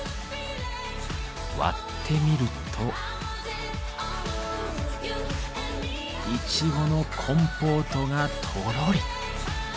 割ってみるとイチゴのコンポートがとろり。